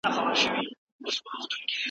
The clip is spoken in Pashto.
زه هره ورځ ایمیلونه چک کوم.